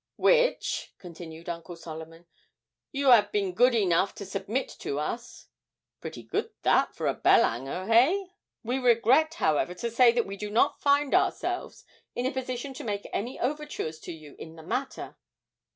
'Which,' continued Uncle Solomon, 'you 'ave been good enough to submit to us (pretty good that for a bell 'anger, hey?) We regret, however, to say that we do not find ourselves in a position to make any overtures to you in the matter.